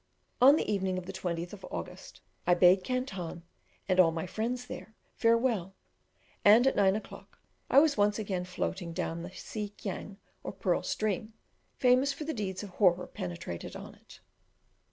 On the evening of the 20th of August I bade Canton, and all my friends there, farewell; and at 9 o'clock I was once again floating down the Si Kiang, or Pearl stream, famous for the deeds of horror perpetrated on it.